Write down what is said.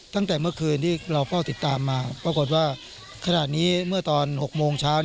ตั้งแต่เมื่อคืนที่เราเฝ้าติดตามมาปรากฏว่าขณะนี้เมื่อตอน๖โมงเช้า